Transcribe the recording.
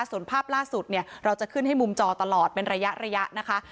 ส่วนภาพล่าสุดเนี่ยเราจะขึ้นให้มุมจอตลอดเป็นระยะนะคะ